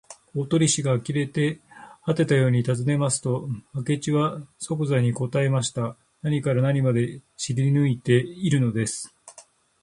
大鳥氏があきれはてたようにたずねますと、明智はそくざに答えました。何から何まで知りぬいているのです。